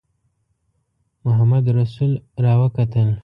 محمدرسول را وکتل.